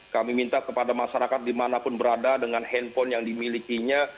kami minta kepada masyarakat dimanapun berada dengan handphone yang dimilikinya